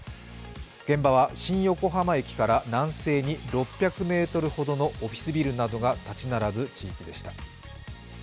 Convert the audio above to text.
現場は新横浜駅から南西に６００ｍほどのオフィスビルなどが立ち並ぶ地域でした。